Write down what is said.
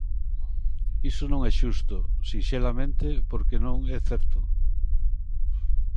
Iso non é xusto, sinxelamente porque non é certo.